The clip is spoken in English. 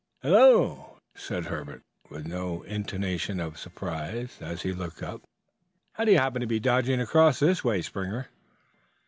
"Hello," said Herbert, with no intonation of surprise, as he looked up. "How do you happen to be dodging across this way, Springer?"